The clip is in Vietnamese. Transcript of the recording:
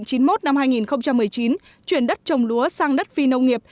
nghị định số chín mươi một năm hai nghìn một mươi chín chuyển đất trồng lúa sang đất phi nông nghiệp